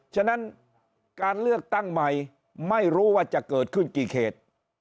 ฉะนั้นการเลือกตั้งใหม่ไม่รู้ว่าจะเกิดขึ้นกี่เขต